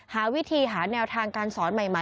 หาวิธีหาแนวทางการสอนใหม่